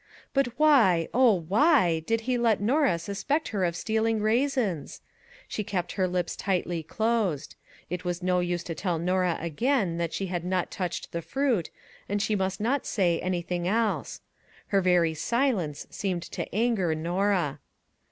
But, why, oh, why, did he let Norah suspect her of steal ing raisins? She kept her lips tightly closed. It was no use to tell Norah again that she had not touched the fruit, and she must not say anything else. Her very, silence seemed to anger Norah.